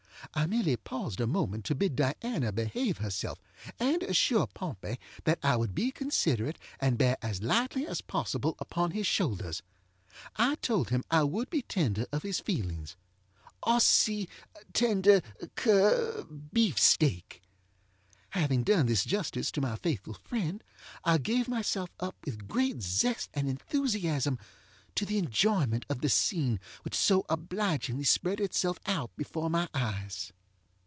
I merely paused a moment to bid Diana behave herself, and assure Pompey that I would be considerate and bear as lightly as possible upon his shoulders. I told him I would be tender of his feelingsŌĆöossi tender que beefsteak. Having done this justice to my faithful friend, I gave myself up with great zest and enthusiasm to the enjoyment of the scene which so obligingly spread itself out before my eyes.